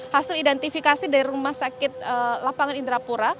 hasil identifikasi dari rumah sakit lapangan indrapura